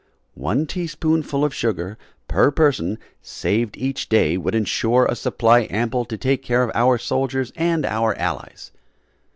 One teaspoonful of sugar per person saved each day would insure a supply ample to take care of our soldiers and our Allies.